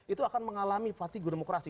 itu akan mengalami fatigu demokrasi